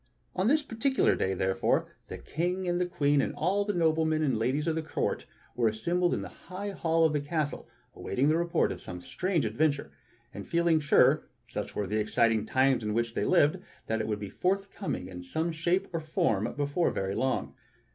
On this particular day, therefore, the King and the Queen and all the noblemen and ladies of the court were assembled in the high hall of the castle awaiting the report of some strange adventure, and feeling sure, such were the exciting times in which they lived, that it would be forthcoming in some shape or form before very long.